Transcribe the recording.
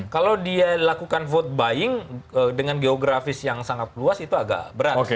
kalau dia lakukan vote buying dengan geografis yang sangat luas itu agak berat